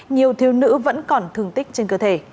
nhiều thiếu nữ vẫn còn thương tích trên cơ thể